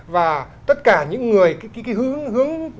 và tất cả những người cái hướng